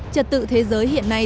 chật tự thế giới hiện nay